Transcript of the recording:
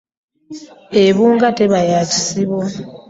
Ebunga teba ya kasibo .